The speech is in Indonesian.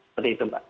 seperti itu pak